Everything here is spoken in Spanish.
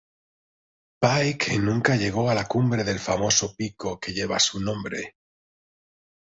Pike nunca llegó a la cumbre del famoso pico que lleva su nombre.